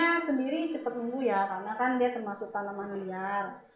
bunga telang sendiri cepat tumbuh ya karena kan dia termasuk tanaman liar